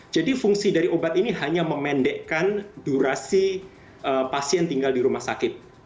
jadi fungsi dari obat ini hanya memendekkan durasi pasien tinggal di rumah sakit